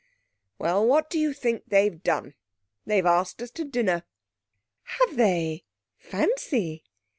'Well, what do you think they've done? They've asked us to dinner.' 'Have they? Fancy!'